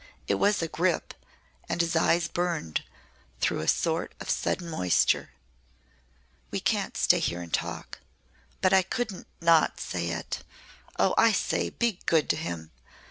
It was a grip and his eyes burned through a sort of sudden moisture. "We can't stay here and talk. But I couldn't not say it! Oh, I say, be good to him!